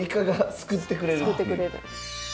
救ってくれる。